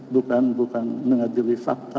bukan mengadili fakta